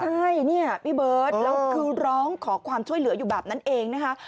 ใช่เนี่ยพี่เบิร์ตแล้วคือร้องขอความช่วยเหลืออยู่แบบนั้นเองนะคะ